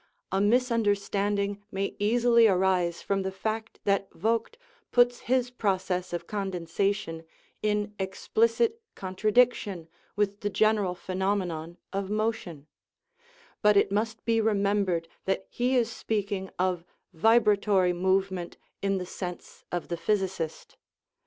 A misunderstanding may easily arise from the fact that Vogt puts his process of condensa tion in explicit contradiction with the general phenom enon of motion ; but it must be remembered that he is speaking of vibratory movement in the sense of the physicist.